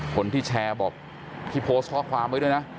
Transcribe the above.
คนที่แชร์บอกที่โพสต์ข้อความไว้ด้วยนะ